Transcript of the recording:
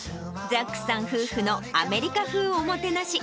ザックさん夫婦のアメリカ風おもてなし。